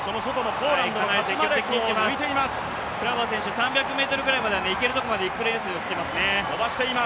クラバー選手３００ｍぐらいまで行くところまで行くレースしてますね。